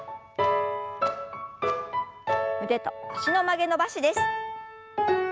腕と脚の曲げ伸ばしです。